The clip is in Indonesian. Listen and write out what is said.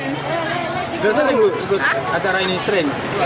sudah sering ikut acara ini